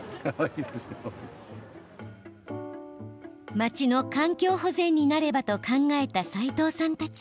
街の環境保全になればと考えた斉藤さんたち。